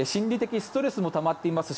ストレスもたまっていますし